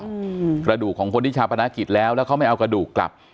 อืมกระดูกของคนที่ชาปนกิจแล้วแล้วเขาไม่เอากระดูกกลับ